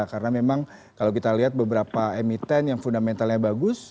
karena memang kalau kita lihat beberapa emiten yang fundamentalnya bagus